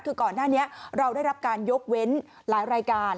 คือก่อนหน้านี้เราได้รับการยกเว้นหลายรายการ